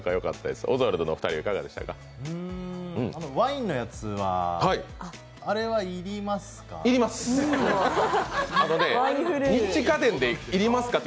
ワインのやつはあれは要りますか？